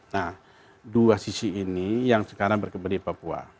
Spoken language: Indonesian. nah dua sisi ini yang sekarang berkembang di papua